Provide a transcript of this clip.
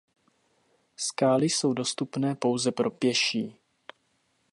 Skály jsou dostupné pouze pro pěší.